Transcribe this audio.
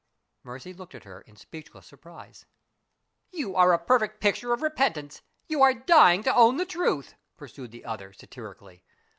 Mercy looked at her in speechless surprise. "You are a perfect picture of repentance you are dying to own the truth," pursued the other, satirically.